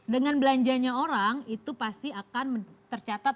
dengan belanjanya orang itu pasti akan tercatat